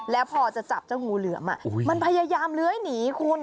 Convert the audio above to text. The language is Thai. แล้วพอจะจับเจ้างูเหลือมมันพยายามเลื้อยหนีคุณ